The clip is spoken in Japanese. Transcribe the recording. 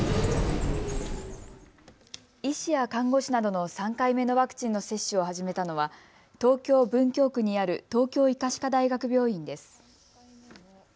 医師や看護師などの３回目のワクチンの接種を始めたのは東京文京区にある東京医科歯科大学病院です。